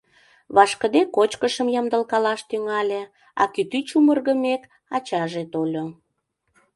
Вашкыде, кочкышым ямдылкалаш тӱҥале, а кӱтӱ чумыргымек, ачаже тольо.